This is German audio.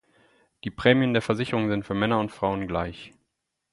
Die Prämien der Versicherung sind für Männer und Frauen gleich.